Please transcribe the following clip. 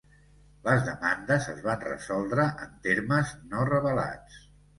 Les demandes es van resoldre en termes no revelats.